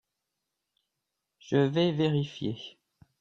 Je vais vérifier.